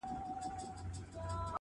د بازانو د حملو کیسې کېدلې-